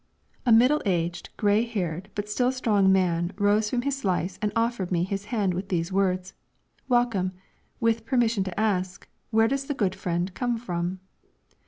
A middle aged, gray haired, but still strong man rose from his slice and offered me his hand with these words: "Welcome! with permission to ask, where does the good friend come from?"